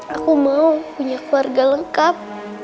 aku mau punya keluarga lengkap